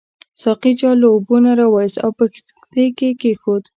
ساقي جال له اوبو نه راوایست او په کښتۍ کې کېښود.